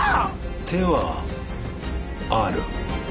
手はある。